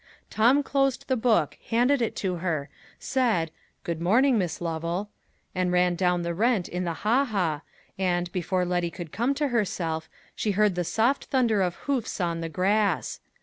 Tom closed the book, handed it to her, said, "Good morning, Miss Lovel," and ran down the rent in the ha ha; and, before Letty could come to herself, she heard the soft thunder of hoofs on the grass.